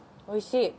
おいしい。